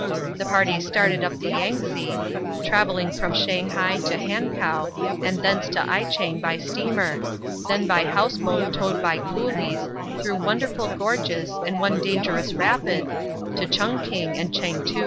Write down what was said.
The party started up the Yangtse, travelling from Shanghai to Hankow and thence to Ichang by steamer then by house boat towed by coolies through wonderful gorges and one dangerous rapid to Chunking and Chengtu.